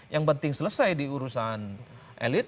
yang penting selesai diurusan elit